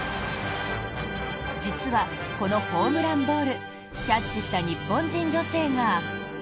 実は、このホームランボールキャッチした日本人女性が。